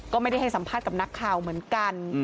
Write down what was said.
ก็ไม่ได้ให้สัมภาษณ์กับนักข่าวเหมือนกัน